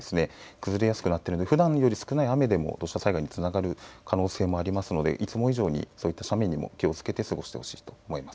崩れやすくなっているので普段より少ない雨でも土砂災害につながる可能性もありますのでいつも以上に斜面に気をつけて過ごしてほしいと思います。